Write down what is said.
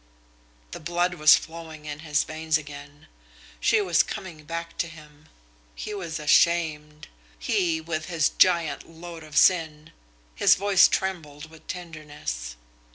The blood was flowing in his veins again. She was coming back to him. He was ashamed he with his giant load of sin! His voice trembled with tenderness.